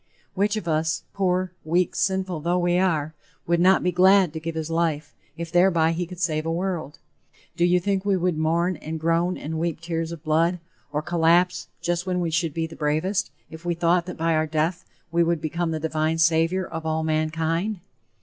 Which of us, poor, weak, sinful though we are, would not be glad to give his life, if thereby he could save a world? Do you think we would mourn and groan and weep tears of blood, or collapse, just when we should be the bravest, if we thought that by our death we would become the divine Savior of all mankind?